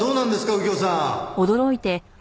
右京さん。